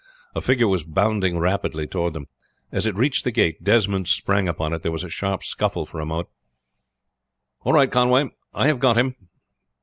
A figure was bounding rapidly toward them. As it reached the gate Desmond sprang upon it. There was a sharp scuffle for a moment. "All right, Conway. I have got him."